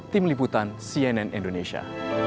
tim liputan cnn indonesia